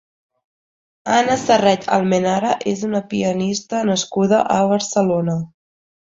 Anna Serret Almenara és una pianista nascuda a Barcelona.